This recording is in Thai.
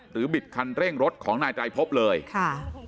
บิดคันเร่งรถของนายไตรพบเลยค่ะ